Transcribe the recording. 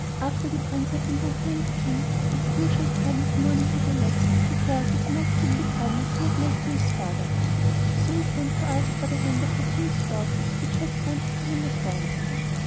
After the Prince had been proclaimed King, and the usual time of mourning had elapsed, he felt that he must keep the promise he had made to his father, so he sent to ask for the hand of the King's daughter, which was granted to him at once.